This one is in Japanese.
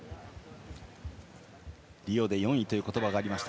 リオで４位という言葉がありました。